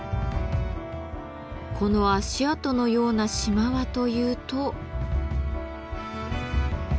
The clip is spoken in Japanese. この足跡のような島はというと。